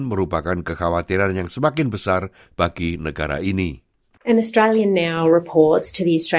merupakan sebuah kejahatan cyber yang menargetkan mereka